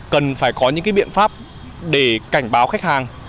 cần phải có những biện pháp để cảnh báo khách hàng